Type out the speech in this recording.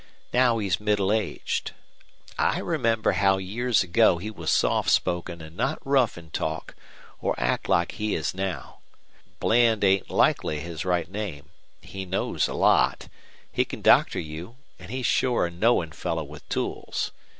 Now he's middle aged. I remember how years ago he was soft spoken an' not rough in talk or act like he is now. Bland ain't likely his right name. He knows a lot. He can doctor you, an' he's shore a knowin' feller with tools.